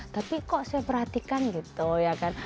tapi kok saya perhatikan gitu ya kan